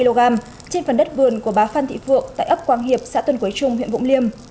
trên phần đất vườn của bà phan thị phượng tại ấp quang hiệp xã tân quế trung huyện vũng liêm